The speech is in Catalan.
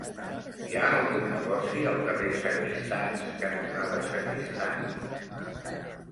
Hi ha algun negoci al carrer Sagristans cantonada Sagristans?